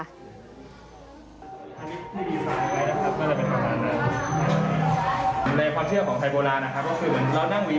ในดีไซน์ไว้นะครับก็จะเป็นประมาณนั้นในความเชื่อของไทยโบราณนะครับ